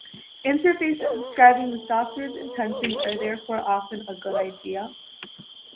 Interfaces describing the software’s intentions are therefore often a good idea.